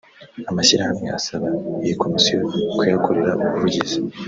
amashyirahamwe asaba iyi komisiyo kuyakorera ubuvugizi